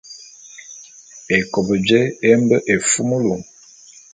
Ékop jé e mbe éfumulu.